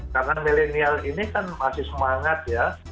karena milenial ini kan masih semangat ya